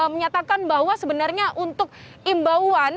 menyatakan bahwa sebenarnya untuk imbauan